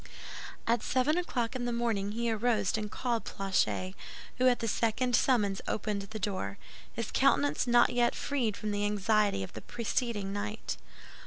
At seven o'clock in the morning he arose and called Planchet, who at the second summons opened the door, his countenance not yet quite freed from the anxiety of the preceding night.